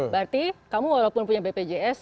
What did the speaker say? berarti kamu walaupun punya bpjs